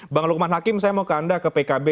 bang lukman hakim saya mau ke anda ke pkb